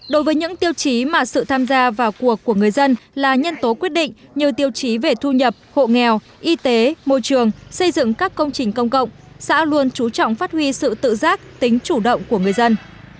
đối với những tiêu chí mà sự tham gia vào cuộc của người dân là nhân tố quyết định như tiêu chí về thu nhập hộ nghèo y tế môi trường xây dựng các công trình công cộng xã luôn trú trọng phát huy sự tự giác tính chủ động của người dân